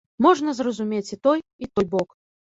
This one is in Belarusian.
Можна зразумець і той, і той бок.